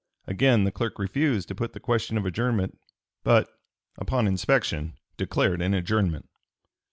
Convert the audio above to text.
Again the clerk refused to put the question of adjournment, but, "upon inspection," declared an adjournment.